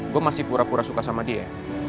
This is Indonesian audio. gue masih pura pura suka sama dia